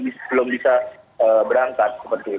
belum bisa berangkat